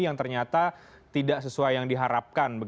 yang ternyata tidak sesuai yang diharapkan